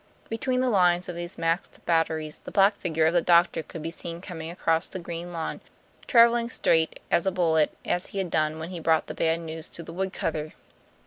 Between the lines of these masked batteries the black figure of the doctor could be seen coming across the green lawn, traveling straight, as a bullet, as he had done when he brought the bad news to the woodcutter.